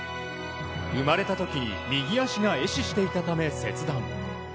生まれた時に右足が壊死していたため切断。